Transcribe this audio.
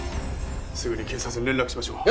すぐに警察に連絡しましょう。